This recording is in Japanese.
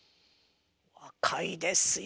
若いですよ。